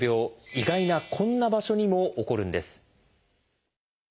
意外なこんな場所にも起こるんです。